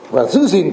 và giữ gìn